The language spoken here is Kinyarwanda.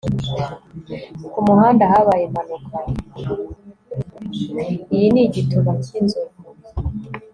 Iyi ni igituba cyinzovu